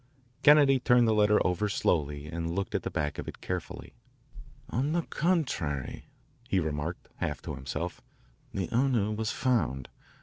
Kennedy turned the letter over slowly and looked at the back of it carefully. "On the contrary," he remarked, half to himself, "the owner was found.